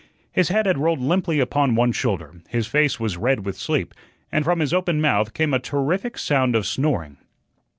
His head had rolled limply upon one shoulder, his face was red with sleep, and from his open mouth came a terrific sound of snoring.